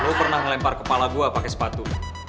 lo pernah ngelempar kepala gua pake sepatu